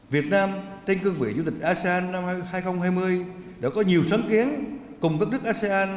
việt nam trên cương vị du lịch asean năm hai nghìn hai mươi đã có nhiều sáng kiến cùng các nước asean